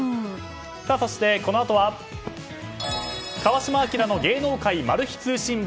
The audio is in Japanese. そして、このあとは「川島明の芸能界マル秘通信簿」